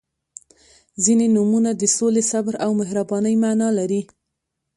• ځینې نومونه د سولې، صبر او مهربانۍ معنا لري.